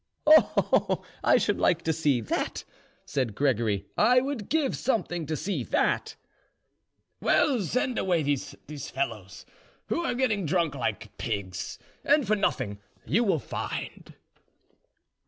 '" "Oh, I should like to see that," said Gregory; "I would give something to see that." "Well, send away these fellows, who are getting drunk like pigs, and for nothing, you will find."